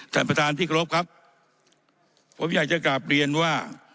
ท่านประธานที่กรบครับผมอยากจะกลับเรียนว่า